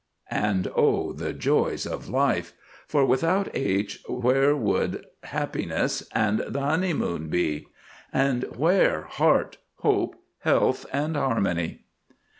And O the joys of life! For without H where would Happiness and the Honeymoon be? And where Heart, Hope, Health, and Harmony?